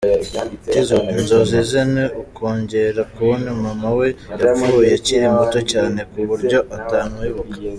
Tizzo : Inzozi ze ni ukongera kubona mama we, yapfuye akiri muto cyane kuburyo atamwibuka.